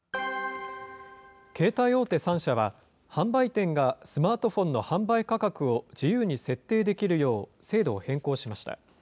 携帯大手３社は、販売店がスマートフォンの販売価格を自由に設定できるよう、制度を変更しました。